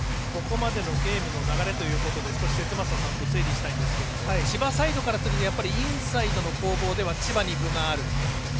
ここまでのゲームの流れということで少し節政さんと整理したいんですけれども千葉サイドからするとやっぱりインサイドの攻防では千葉に分がある。